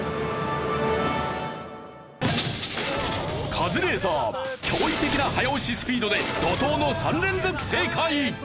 カズレーザー驚異的な早押しスピードで怒濤の３連続正解！